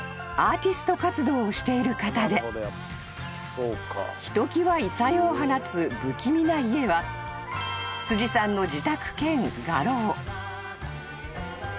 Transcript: アーティスト活動をしている方でひときわ異彩を放つ不気味な家は辻さんの］